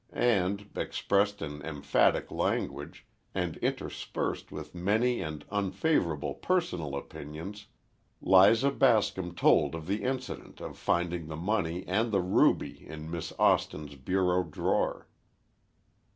And, expressed in emphatic language, and interspersed with many and unfavorable personal opinions, Liza Bascom told of the incident of finding the money and the ruby in Miss Austin's bureau drawer.